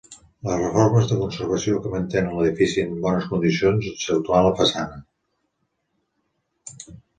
Les reformes de conservació que mantenen l'edifici en bones condicions exceptuant la façana.